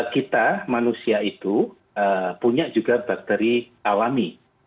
kita manusia itu punya juga bakteri alami